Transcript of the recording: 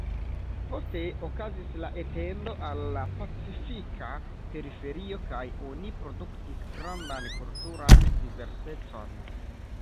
Poste okazis la etendo al la pacifika periferio kaj oni produktis grandan kulturan diversecon.